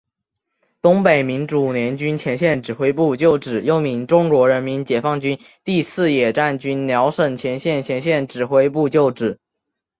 东北民主联军前线指挥部旧址又名中国人民解放军第四野战军辽沈战役前线指挥部旧址。